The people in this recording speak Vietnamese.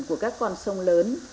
của các con sông lớn